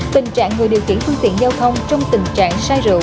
tình trạng người điều khiển phương tiện giao thông trong tình trạng sai rượu